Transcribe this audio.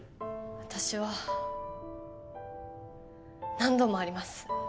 私は何度もあります